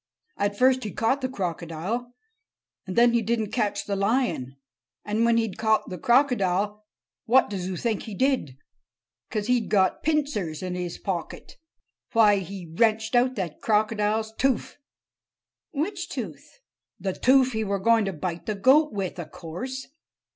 "And first he caught the crocodile, and then he didn't catch the lion. And when he'd caught the crocodile, what does oo think he did—'cause he'd got pincers in his pocket? Why, he wrenched out that crocodile's toof!" "Which tooth?" "The toof he were going to bite the goat with, a course!"